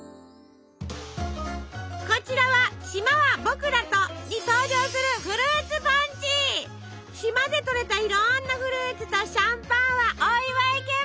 こちらは「島はぼくらと」に登場する島でとれたいろんなフルーツとシャンパンはお祝い気分！